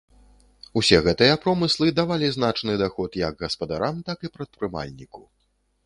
Усе гэтыя промыслы давалі значны даход як гаспадарам, так і прадпрымальніку.